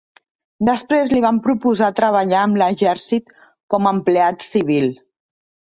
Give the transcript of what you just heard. Després li van proposar treballar amb l'exèrcit com a empleat civil.